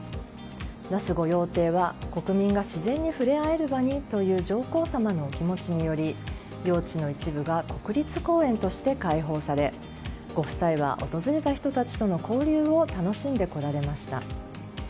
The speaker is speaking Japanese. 那須御用邸は国民が自然に触れ合える場にという上皇さまのお気持ちにより用地の一部が国立公園として開放されご夫妻は訪れた人たちとの交流を楽しんでこられました。